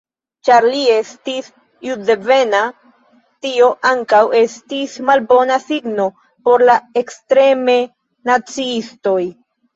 Ĉar li estis juddevena, tio ankaŭ estis malbona signo por la ekstreme naciistoj.